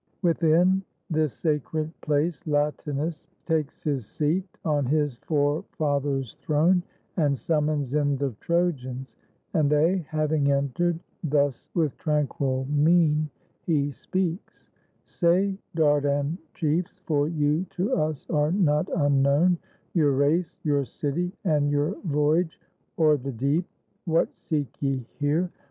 Within This sacred place Latinus takes his seat On his forefathers' throne, and summons in The Trojans; and they having entered, thus With tranquil mien he speaks: "Say, Dardan chiefs, For you to us are not unknown, — your race, Your city, and your voyage o'er the deep, — What seek ye here